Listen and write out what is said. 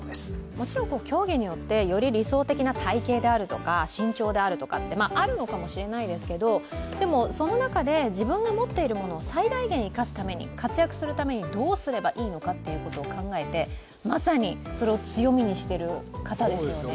もちろん競技によってより理想的な体形であるとか、身長であるとか、あるのかもしれないですけど、その中で自分が持ってるものを最大限出す、活躍するためにどうすればいいのかを考えてまさにそれを強みにしている方ですよね。